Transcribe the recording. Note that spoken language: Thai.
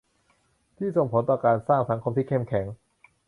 ที่ส่งผลต่อการสร้างสังคมที่เข้มแข็ง